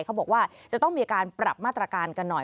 เขาบอกว่าจะต้องมีการปรับมาตรการกันหน่อย